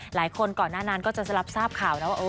หลายคนก่อนหน้านั้นก็จะรับทราบข่าวนะว่า